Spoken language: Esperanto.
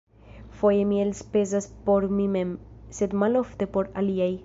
Foje mi elspezas por mi mem, sed malofte por aliaj.